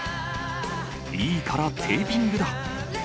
いいからテーピングだ！